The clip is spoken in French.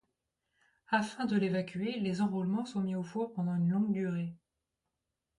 Afin de l'évacuer, les enroulements sont mis au four pendant une longue durée.